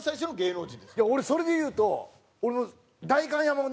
俺それで言うと俺も代官山をね